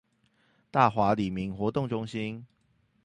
大華里民活動中心